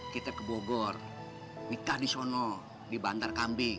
kita ke bogor nikah di sono di bantar kambing